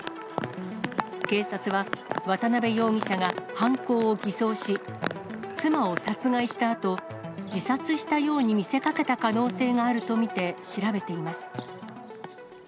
警察は渡辺容疑者が犯行を偽装し、妻を殺害したあと、自殺したように見せかけた可能性があると見て調べています。